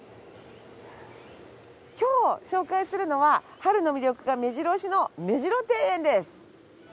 今日紹介するのは春の魅力が目白押しの目白庭園です！